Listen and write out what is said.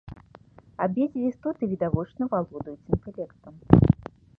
Абедзве істоты відавочна валодаюць інтэлектам.